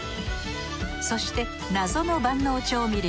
そして謎の万能調味料